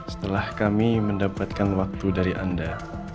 setelah kami mendapatkan waktu dari anda